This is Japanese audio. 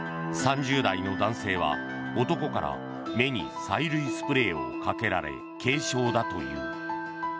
３０代の男性は、男から目に催涙スプレーをかけられ軽傷だという。